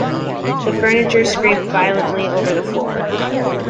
The furniture scraped violently over the floor.